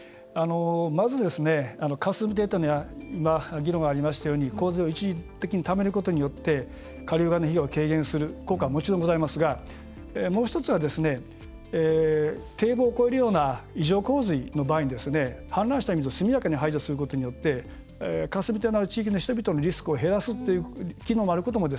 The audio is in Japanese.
まず霞堤というのは今、議論がありましたように洪水を一時的ためることによって下流側の費用を軽減する効果はもちろんございますがもう１つは、堤防を越えるような異常洪水の場合に氾濫した水を速やかに排除することによって霞堤のある地域の人々のリスクを減らすという機能もあることも